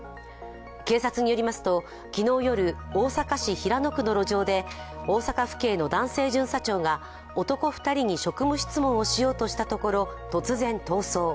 警察によりますと、昨日夜、大阪市平野区の路上で大阪府警の男性巡査長が男２人に職務質問をしようとしたところ、突然、逃走。